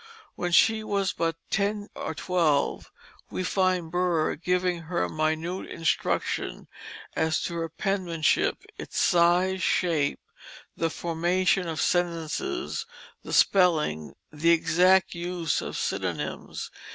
When she was but ten or twelve we find Burr giving her minute instruction as to her penmanship; its size, shape, the formation of sentences, the spelling, the exact use of synonyms.